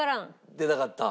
出なかった？